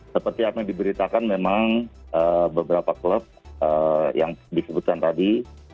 seperti apa yang diberitakan memang beberapa klub yang disebutkan tadi